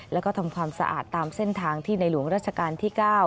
แล้วก็ทำความสะอาดตามเส้นทางที่ในหลวงราชการที่๙